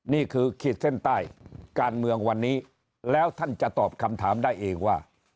ขีดเส้นใต้การเมืองวันนี้แล้วท่านจะตอบคำถามได้เองว่า